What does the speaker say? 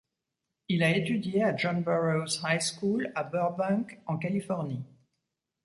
Il a étudié à John Burroughs High School à Burbank en Californie.